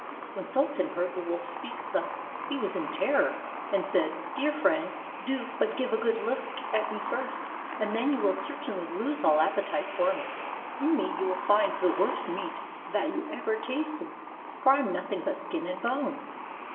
When Sultan heard the wolf speak thus, he was in terror, and said, "Dear friend, do but give a good look at me first, and then you will certainly lose all appetite for me ; in me you will find the worst meat that you ever tasted, for I am nothing but skin and bones.